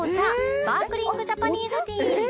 スパークリングジャパニーズティー